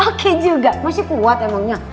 oke juga masih kuat emangnya